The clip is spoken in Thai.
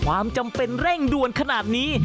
ความจำเป็นเร่งด่วนขนาดนี้